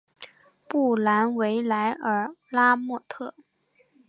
布兰维莱尔拉莫特。